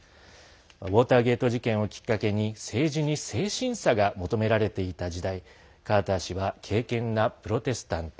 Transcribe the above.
ウォーターゲート事件をきっかけに、政治に清新さが求められていた時代カーター氏は敬けんなプロテスタント。